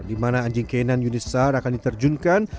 dimana anjing k sembilan unit sar akan diterjunkan